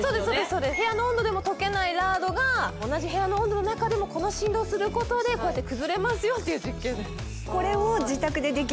そうです部屋の温度でも溶けないラードが同じ部屋の温度の中でもこの振動をすることでこうやって崩れますよっていう実験です